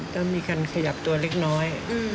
ต้องมีคันขยับตัวเล็กน้อย